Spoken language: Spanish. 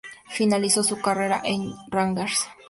Finalizó su carrera en Rangers.